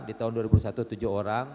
di tahun dua ribu dua puluh satu tujuh orang